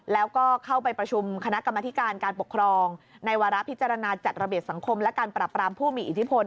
แล้วก็เข้าไปประชุมคณะกรรมธิการการปกครองในวาระพิจารณาจัดระเบียบสังคมและการปรับรามผู้มีอิทธิพล